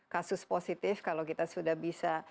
kasus positif kalau kita sudah bisa